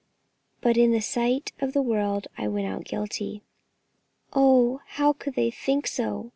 But in the sight of the world I went out guilty." "Oh, how could they think so?"